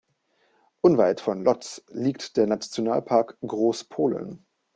Unweit von Łódź liegt der Nationalpark Großpolen.